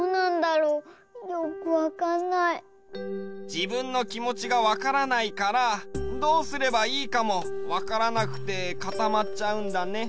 じぶんのきもちがわからないからどうすればいいかもわからなくてかたまっちゃうんだね。